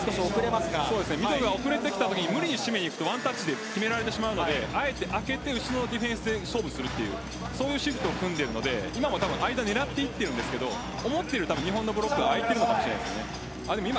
ミドルが遅れてきたときに無理に締めると、ワンタッチで決められてしまうのであえて空けて後で勝負するというシフトを組んでいるので今のも間を狙っていっているんですけど思ったより空いているのかもしれません。